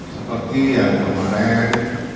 seperti yang kemarin